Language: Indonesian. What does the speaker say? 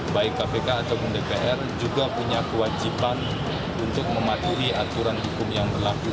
baik kpk ataupun dpr juga punya kewajiban untuk mematuhi aturan hukum yang berlaku